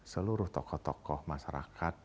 seluruh tokoh tokoh masyarakat